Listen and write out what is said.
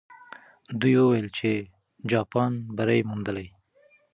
دوی وویل چې جاپان بری موندلی.